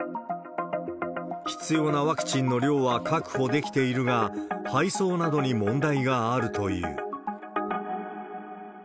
必要なワクチンの量は確保できているが、配送などに問題があるという。